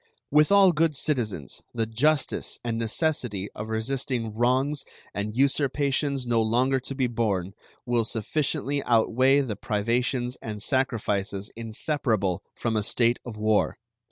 With all good citizens the justice and necessity of resisting wrongs and usurpations no longer to be borne will sufficiently outweigh the privations and sacrifices inseparable from a state of war.